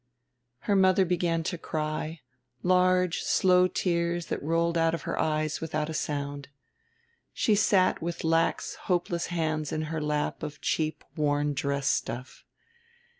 Her mother began to cry, large slow tears that rolled out of her eyes without a sound. She sat with lax hopeless hands in her lap of cheap worn dress stuff.